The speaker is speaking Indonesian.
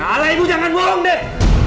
alah ibu jangan bohong deh